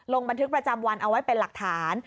ลงบันทึกประจำวันเอาไว้เป็นหลักฐาน